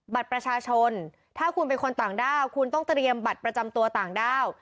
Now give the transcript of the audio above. บัตรประชาชนถ้าคุณเป็นคนต่างด้าวคุณต้องเตรียมบัตรประจำตัวต่างด้าว